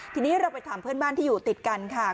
ทีนี้เราไปถามเพื่อนบ้านที่อยู่ติดกันค่ะ